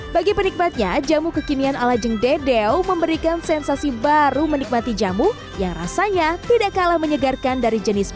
bagi penikmatnya jamu kekinian ala jengdedeo memberikan sensasi baru menikmati jamu yang rasanya tidak kalah menyegarkan dari jenis